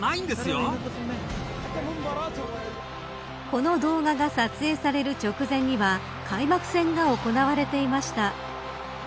この動画が撮影される直前には開幕戦が行われていました。